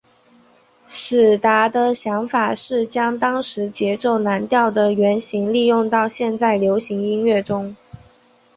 史达的想法是将当时节奏蓝调的原型利用到在流行音乐中。